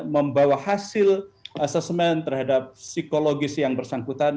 membawa hasil asesmen terhadap psikologis yang bersangkutan